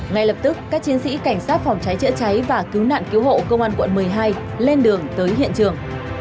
ngay lập tức các chiến sĩ cảnh sát phòng cháy chữa cháy và cứu nạn cứu hộ công an quận một mươi hai lên đường tới hiện trường